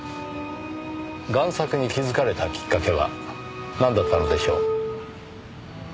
贋作に気づかれたきっかけはなんだったのでしょう？